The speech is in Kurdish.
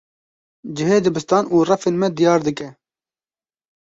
Cihê dibistan û refên me diyar dike.